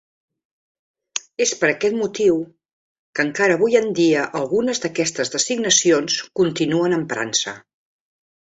És per aquest motiu que encara avui en dia algunes d'aquestes designacions continuen emprant-se.